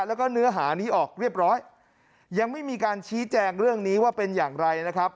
แล้วก็เนื้อหานี้ออกเรียบร้อยยังไม่มีการชี้แจงเรื่องนี้ว่าเป็นอย่างไรนะครับ